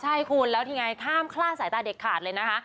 ใช่คุณแล้วที่ไงห้ามคลาดสายตาเด็ดขาดเลยนะคะ